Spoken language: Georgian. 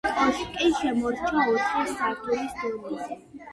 კოშკი შემორჩა ოთხი სართულის დონეზე.